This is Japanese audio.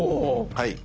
はい。